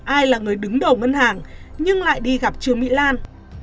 ai là người đứng đầu ngân hàng nhưng lại đi gặp trương mỹ lan